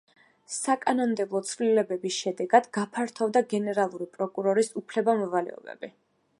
საკანონმდებლო ცვლილებების შედეგად, გაფართოვდა გენერალური პროკურორის უფლება-მოვალეობები.